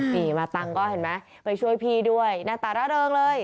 นี่มาตังค์ก็เห็นไหมไปช่วยพี่ด้วยหน้าตาร่าเริงเลย